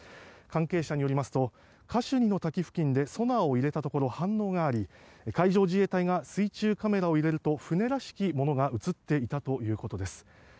関係者によりますとカシュニの滝付近でソナーを入れたところ反応があり海上自衛隊が水中カメラを入れると船らしきものが映っていたということです。